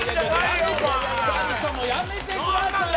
２人ともやめてくださいよ。